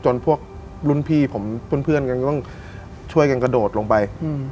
พวกรุ่นพี่ผมเพื่อนกันก็ต้องช่วยกันกระโดดลงไป